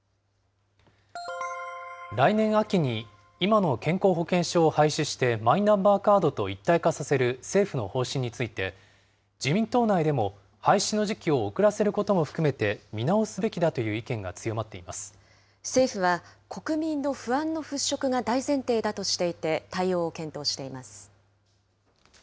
来年秋に今の健康保険証を廃止してマイナンバーカードと一体化させる政府の方針について、自民党内でも、廃止の時期を遅らせることも含めて見直すべきだという意見が強ま政府は国民の不安の払拭が大前提だとしていて、対応を検討しています。